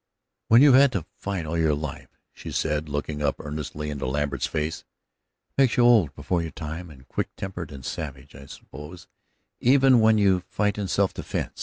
"When you've had to fight all your life," she said, looking up earnestly into Lambert's face, "it makes you old before your time, and quick tempered and savage, I suppose, even when you fight in self defense.